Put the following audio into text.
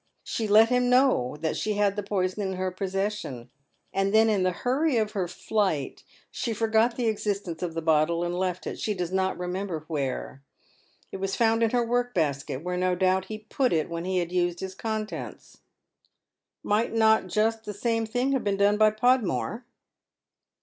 She let him know that she had the poison in her possession, and then in the huiTy of her flight she forgot the existence of the bottle, and left it, she does not remember where. It was found in her work basket, where no doubt he put it when he had used its contents." "Might not just the same thing have been done by Podmore?